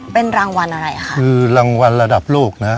ที่นี่มีพื้นที่ทั้งหมดก็๑๒๐๐๐กว่าไร่